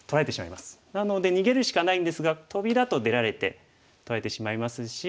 なので逃げるしかないんですがトビだと出られて取られてしまいますし。